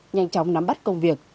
nhanh chóng nắm bắt công việc